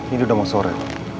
ini udah mau sore